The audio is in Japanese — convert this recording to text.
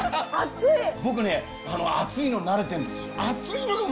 僕ね熱いの慣れてるんですよ。